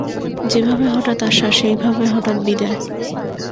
যেভাবে হঠাৎ আসা, সেইভাবে হঠাৎ বিদায়।